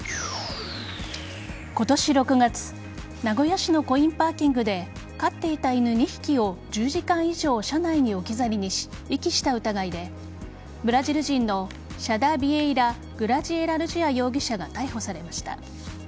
今年６月名古屋市のコインパーキングで飼っていた犬２匹を１０時間以上車内に置き去りにし遺棄した疑いでブラジル人のシャダ・ビエイラ・グラジエラ・ルジア容疑者が逮捕されました。